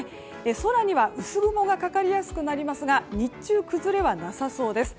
空には薄曇がかかりやすくなりますが日中、崩れはなさそうです。